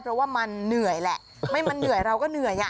เพราะว่ามันเหนื่อยแหละไม่มันเหนื่อยเราก็เหนื่อย